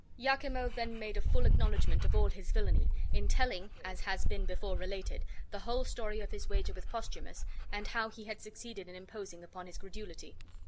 Iachimo then made a full acknowledgment of all his villainy, in telling, as has been before related, the whole story of his wager with Posthumus and how he had succeeded in imposing upon is credulity.